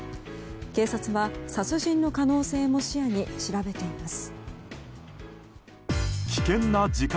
警察は殺人の可能性も視野に調べています。